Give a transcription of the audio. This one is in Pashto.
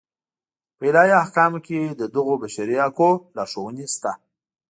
په الهي احکامو کې د دغو بشري حقونو لارښوونې شته.